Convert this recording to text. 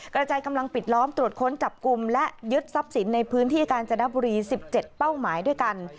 กระจายกำลังปิดล้อมตรวจค้นจับกลุ่มและยึดทรัพย์สินในพื้นที่กาญจนบุรี๑๗เป้าหมายด้วยกัน